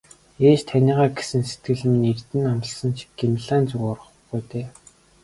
Ээж таныгаа гэсэн сэтгэл минь эрдэнэ амласан ч Гималайн зүг урвахгүй ээ.